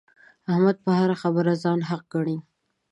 احمد په هره خبره ځان حق ګڼي.